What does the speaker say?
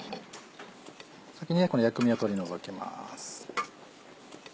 先にこの薬味を取り除きます。